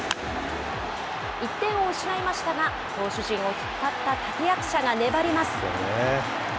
１点を失いましたが、投手陣を引っ張った立て役者が粘ります。